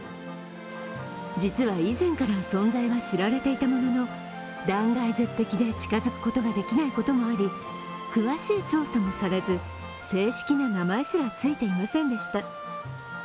実は以前から存在は知られていたものの、断崖絶壁で近づくことができないこともあり詳しい調査もされず、正式な名前すら付いていませんでした。